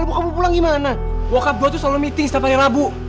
aku harus bagaimana berjalan tanpa kamu